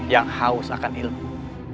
yang haus akan ilmu